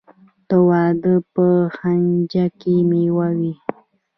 د واده په خنچه کې میوه وي.